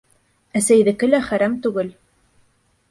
Әсәйҙеке лә хәрәм түгел